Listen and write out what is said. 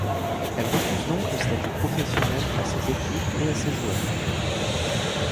Elle refuse donc le statut professionnel à ses équipes et ses joueurs.